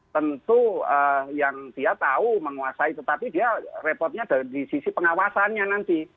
tentu yang dia tahu menguasai tetapi dia repotnya di sisi pengawasannya nanti